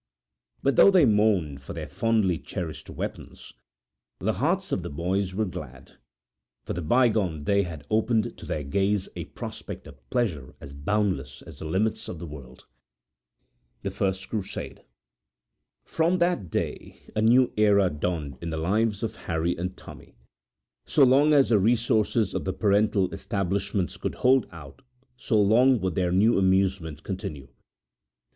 But though they mourned for their fondly cherished weapons, the hearts of the boys were glad; for the bygone day had opened to their gaze a prospect of pleasure as boundless as the limits of the world. The First Crusade[edit] From that day a new era dawned in the lives of Harry and Tommy. So long as the resources of the parental establishments could hold out so long would their new amusement continue.